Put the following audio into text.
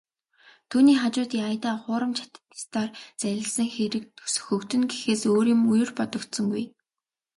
Түүний хажууд "яая даа, хуурамч аттестатаар залилсан хэрэг сөхөгдөнө" гэхээс өөр юм ер бодогдсонгүй.